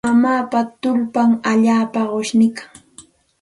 Mamaapa tullpan allaapa qushniikan.